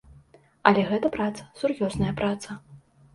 Але гэта праца, сур'ёзная праца.